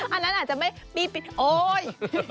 อันนั้นอาจจะไม่มีปิดโอ๊ย